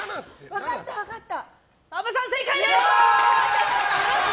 分かった、分かった！